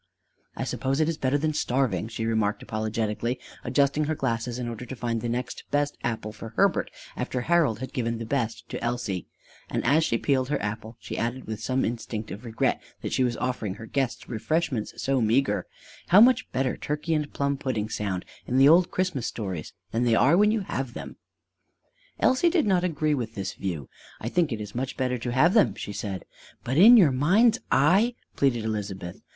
"I suppose it is better than starving," she remarked apologetically, adjusting her glasses in order to find the next best apple for Herbert after Harold had given the best to Elsie, and as she peeled her apple, she added with some instinct of regret that she was offering her guests refreshments so meagre: "How much better turkey and plum pudding sound in the old Christmas stories than they are when you have them!" Elsie did not agree with this view. "I think it is much better to have them," she said. "But in your mind's eye " pleaded Elizabeth.